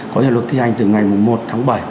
có hiệu lực thi hành từ ngày một tháng bảy